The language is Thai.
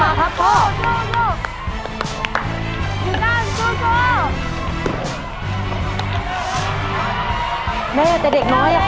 เร็ว